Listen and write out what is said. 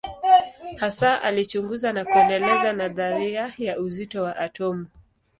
Hasa alichunguza na kuendeleza nadharia ya uzito wa atomu.